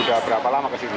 udah berapa lama kesini